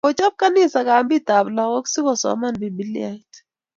Kichob kanisa kambit ab lokok so kosoman bibiliait